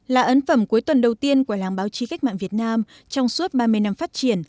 là ấn phẩm cuối tuần đầu tiên của làng báo chí cách mạng việt nam trong suốt ba mươi năm phát triển